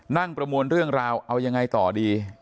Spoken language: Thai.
ประมวลเรื่องราวเอายังไงต่อดี